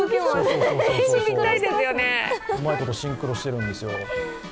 うまいことシンクロしているんですよ。